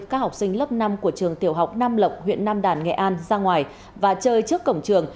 các học sinh lớp năm của trường tiểu học nam lộc huyện nam đàn nghệ an ra ngoài và chơi trước cổng trường